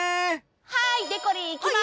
はい！でこりんいきます！